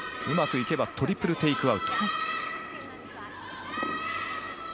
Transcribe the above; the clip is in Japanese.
うまくいけばトリプル・テイクアウト。